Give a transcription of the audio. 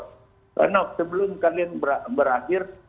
karena sebelum kalian berakhir